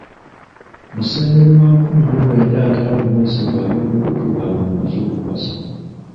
Museenene wa lukumi mu lwenda ataano mu esatu agenda okutuuka nga maze okuwasa.